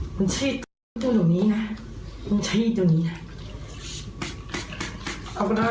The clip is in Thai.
คือสิ่งที่มึงทำ